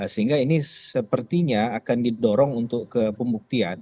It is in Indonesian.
sehingga ini sepertinya akan didorong untuk ke pembuktian